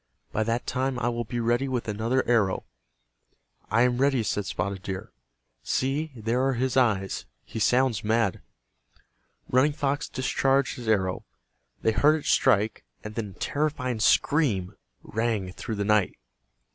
By that time I will be ready with another arrow." "I am ready," said Spotted Deer. "See, there are his eyes. He sounds mad." Running Fox discharged his arrow. They heard it strike, and then a terrifying scream rang through the night.